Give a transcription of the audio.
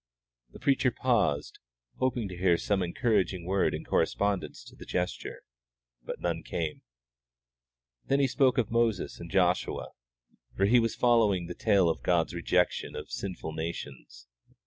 The preacher paused, hoping to hear some encouraging word in correspondence to the gesture, but none came. Then he spoke of Moses and of Joshua, for he was following the tale of God's rejection of sinful nations.